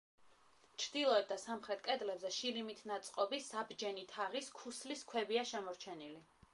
ჩრდილოეთ და სამხრეთ კედლებზე შირიმით ნაწყობი საბჯენი თაღის ქუსლის ქვებია შემორჩენილი.